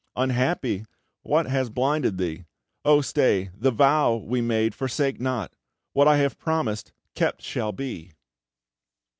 Unhappy! What has blinded thee? Oh stay! The vow we made forsake not! What I have promised, kept shall be!"